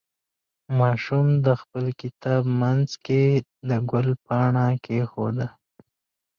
ماشوم د خپل کتاب منځ کې د ګل پاڼه کېښوده.